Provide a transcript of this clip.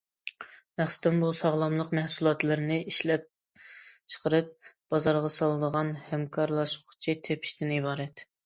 مەقسىتىم، بۇ ساغلاملىق مەھسۇلاتلىرىنى ئىشلەپچىقىرىپ بازارغا سالىدىغان ھەمكارلاشقۇچى تېپىشتىن ئىبارەت.